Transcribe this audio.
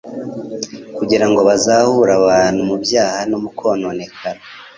kugira ngo bazahure abantu mu byaha no mu kononekara.